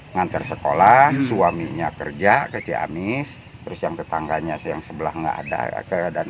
nganter sekolah suaminya kerja kecik amis terus yang tetangganya yang sebelah enggak ada keadaan